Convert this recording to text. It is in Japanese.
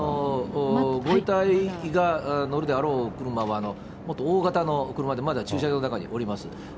ご遺体が乗るであろう車は、もっと大型の車で、まだ駐車場の中におります。